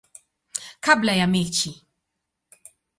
kabla ya mechi.